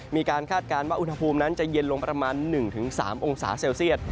คาดการณ์ว่าอุณหภูมินั้นจะเย็นลงประมาณ๑๓องศาเซลเซียต